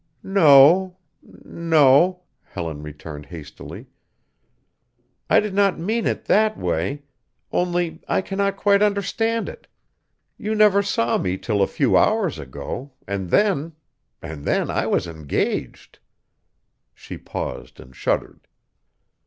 "No, no," Helen returned hastily. "I did not mean it that way only I cannot quite understand it. You never saw me till a few hours ago, and then and then I was engaged" She paused and shuddered.